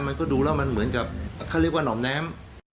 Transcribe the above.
มันก็ดูแล้วมันเหมือนกับเขาเรียกว่าหน่อมแน้ม